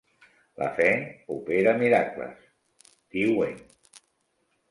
La fe opera miracles, diuen.